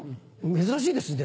珍しいですね。